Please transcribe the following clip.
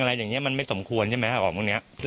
อะไรอย่างนี้มันไม่สมควรใช่ไหมครับบางทีนี้